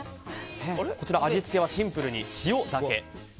味付けはシンプルに塩だけ。